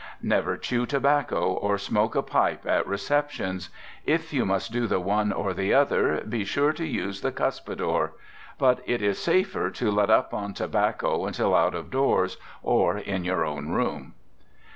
Never chew tobacco, or smoke a pipe at receptions. If you must do the one or the other, be sure to use the cuspidor; but it is safer to let up on tobacco until out of doors, or in your own room.